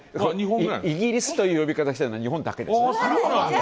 イギリスという呼び方をしているのは日本だけです。